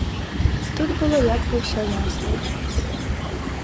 Тут было як бы ўсё ясна.